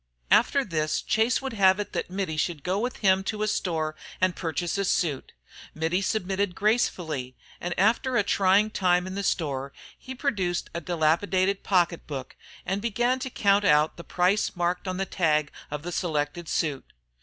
After this, Chase would have it that Mittie should go with him to a store and purchase a suit. Mittie submitted gracefully, and after a trying time in the store he produced a dilapidated pocket book and began to count out the price marked on the tag of the selected suit.